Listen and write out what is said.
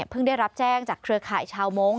ได้รับแจ้งจากเครือข่ายชาวมงค